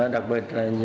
đặc biệt là